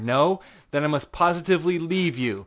No? Then I must positively leave you.